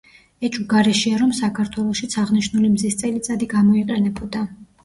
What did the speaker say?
ეჭვგარეშეა რომ საქართველოშიც აღნიშნული მზის წელიწადი გამოიყენებოდა.